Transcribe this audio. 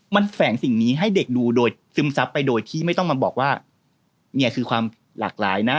มันแฝงสิ่งนี้ให้เด็กดูโดยซึมซับไปโดยที่ไม่ต้องมาบอกว่าเนี่ยคือความหลากหลายนะ